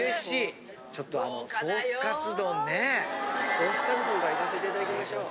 ソースカツ丼からいかせていただきましょう。